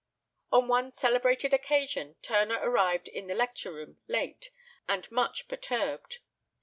On one celebrated occasion Turner arrived in the lecture room late, and much perturbed.